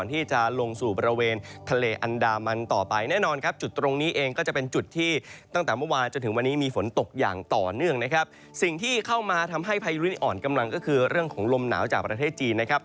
ที่เข้ามาทำให้พายุรุกนี้อ่อนกำลังก็คือเรื่องของลมหนาวจากประเทศจีนนะครับ